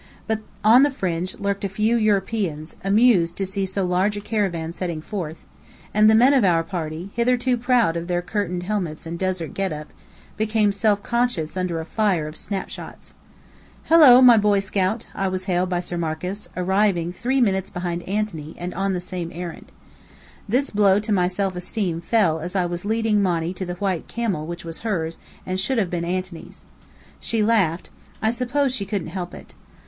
But on the fringe lurked a few Europeans, amused to see so large a caravan setting forth; and the men of our party, hitherto proud of their curtained helmets and desert get up, became self conscious under a fire of snapshots. "Hello, my Boy Scout!" I was hailed by Sir Marcus, arriving three minutes behind Anthony, and on the same errand. This blow to my self esteem fell as I was leading Monny to the white camel which was hers and should have been Anthony's. She laughed I suppose she couldn't help it.